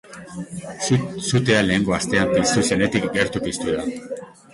Sutea lehengo astean piztu zenetik gertu piztu da.